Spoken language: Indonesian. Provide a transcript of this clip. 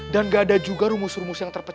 gaada pelaut ulung lahir dari samuda yang tenang